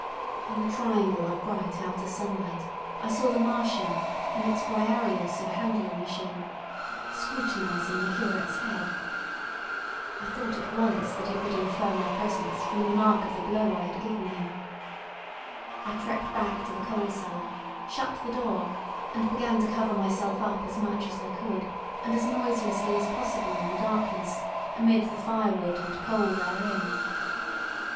In the triangle of bright outer sunlight I saw the Martian, in its Briareus of a handling machine, scrutinizing the curate's head. I thought at once that it would infer my presence from the mark of the blow I had given him. I crept back to the coal cellar, shut the door, and began to cover myself up as much as I could, and as noiselessly as possible in the darkness, among the firewood and coal therein.